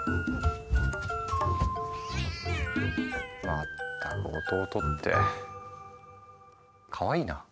まったく弟ってかわいいなぁ。